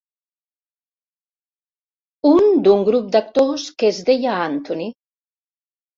Un d'un grup d'actors que es deia Anthony.